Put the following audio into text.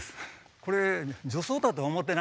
これ。